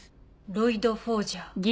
ロイド・フォージャー。